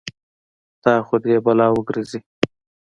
په تا خو دې يې بلا وګرځې.